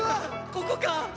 ここか！